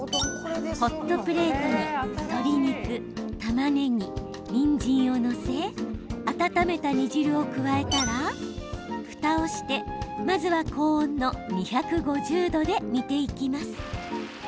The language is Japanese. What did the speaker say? ホットプレートに鶏肉、たまねぎ、にんじんを載せ温めた煮汁を加えたらふたをして、まずは高温の２５０度で煮ていきます。